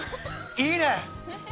いいね。